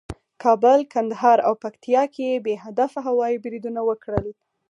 کابل، کندهار او پکتیکا کې بې هدفه هوایي بریدونه وکړل